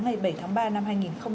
ngày bảy tháng ba năm hai nghìn hai mươi